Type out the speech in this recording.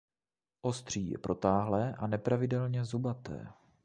Ostří je protáhlé a nepravidelně zubaté.